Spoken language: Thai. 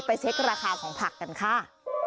เช็คราคาของผักกันค่ะ